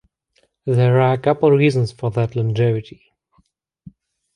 There are a couple reasons for that longevity.